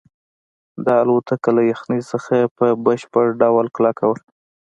دا الوتکه له یخنۍ څخه په بشپړ ډول کلکه وه